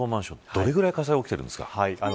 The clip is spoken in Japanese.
どれぐらい火災が起きてるんですか。